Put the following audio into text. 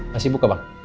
masih buka bang